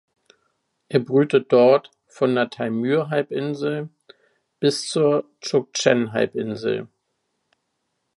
Er brütet dort von der Taimyrhalbinsel bis zur Tschuktschenhalbinsel.